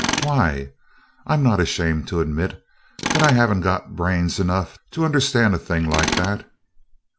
"Why? I'm not ashamed to admit that I haven't got brains enough to understand a thing like that."